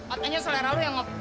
otanya selera lu yang otot